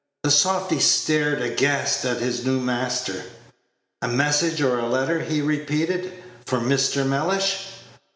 The softy stared aghast at his new master. "A message or a letter," he repeated, "for Mr. Mellish?"